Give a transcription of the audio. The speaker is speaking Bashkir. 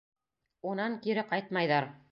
Унан кире ҡайтмайҙар...